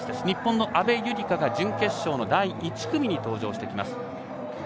日本の阿部友里香が準決勝の第１組に登場してきます。